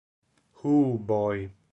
Ooh Boy